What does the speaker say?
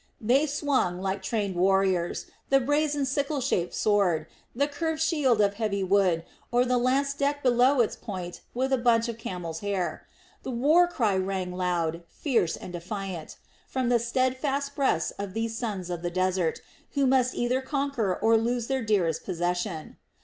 They swung, like trained warriors, the brazen sickle shaped sword, the curved shield of heavy wood, or the lance decked below its point with a bunch of camel's hair. The war cry rang loud, fierce, and defiant, from the steadfast breasts of these sons of the desert, who must either conquer or lose their dearest possession.